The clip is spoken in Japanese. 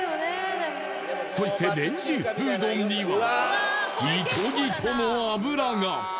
そしてレンジフードにはギトギトの油が。